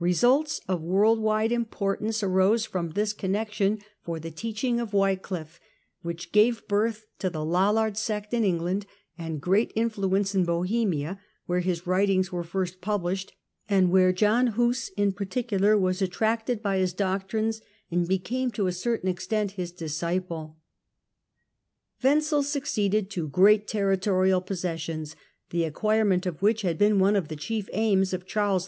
Results of world wide importance 122 THE END OF THE MIDDLE AGE arose from this connection, for the teaching of Wycliffe, which gave birth to the Lollard sect in England, had great influence in Bohemia where his writings were first published, and where John Huss in particular was at tracted by his doctrines and became to a certain extent his disciple. Possessions AVenzel succeeded to great territorial possessions, the Hous^e of acquirement of which had been one of the chief aims of J;",g'"'" Charles IV.